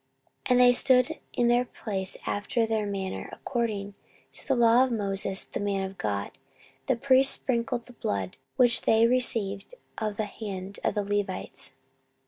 14:030:016 And they stood in their place after their manner, according to the law of Moses the man of God: the priests sprinkled the blood, which they received of the hand of the Levites.